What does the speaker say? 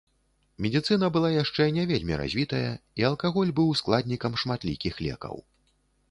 Медыцына была яшчэ не вельмі развітая, і алкаголь быў складнікам шматлікіх лекаў.